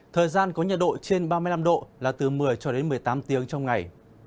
thời gian có nhật độ trên ba mươi năm độ là từ một mươi một mươi tám tiếng trong ngày